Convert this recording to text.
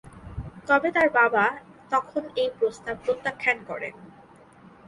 তবে তার বাবা তখন এই প্রস্তাব প্রত্যাখ্যান করেন।